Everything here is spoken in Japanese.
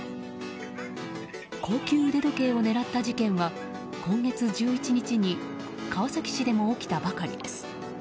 高級腕時計を狙った事件は今月１１日に川崎市でも起きたばかりです。